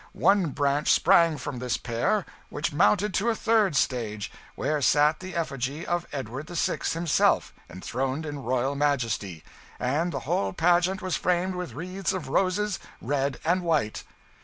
One branch sprang from this pair, which mounted to a third stage, where sat the effigy of Edward VI. himself, enthroned in royal majesty; and the whole pageant was framed with wreaths of roses, red and white.